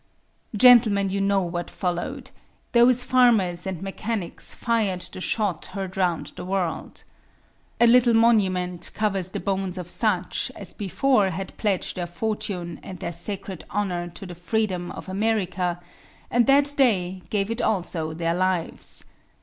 Gentlemen, you know what followed; those farmers and mechanics "fired the shot heard round the world." A little monument covers the bones of such as before had pledged their fortune and their sacred honor to the Freedom of America, and that day gave it also their lives.